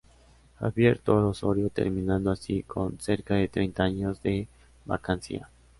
Javier Toro Osorio, terminando así con cerca de treinta años de vacancia.